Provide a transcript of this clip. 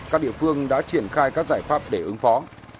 các địa phương đã triển khai các giải pháp để ứng phó